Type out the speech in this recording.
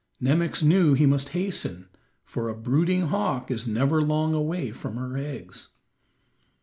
Nemox knew he must hasten, for a brooding hawk is never long away from her eggs.